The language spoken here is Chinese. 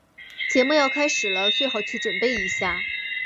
节目要开始了，最好去准备一下。